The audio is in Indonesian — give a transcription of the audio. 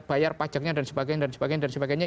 bayar pajaknya dan sebagainya